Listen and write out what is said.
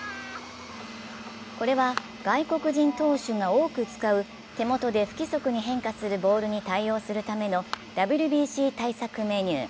これは外国人投手が多く使う手元で不規則に変化するボールに対応するためのＷＢＣ対策メニュー。